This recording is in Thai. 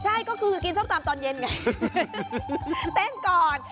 ใช่ก็คือกินส้มตำตอนเย็นไงเต้นก่อน